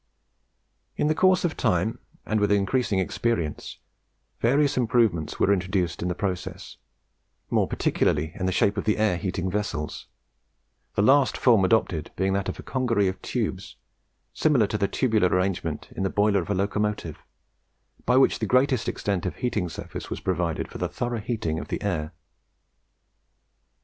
In course of time, and with increasing experience, various improvements were introduced in the process, more particularly in the shape of the air heating vessels; the last form adopted being that of a congeries of tubes, similar to the tubular arrangement in the boiler of the locomotive, by which the greatest extent of heating surface was provided for the thorough heating of the air.